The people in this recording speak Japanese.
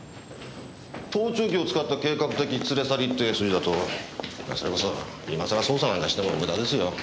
盗聴器を使った計画的連れ去りって筋だとそれこそ今さら捜査なんかしても無駄ですよ。